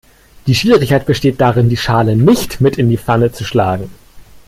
Die Schwierigkeit besteht darin, die Schale nicht mit in die Pfanne zu schlagen.